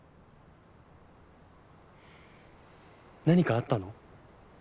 何かあったの？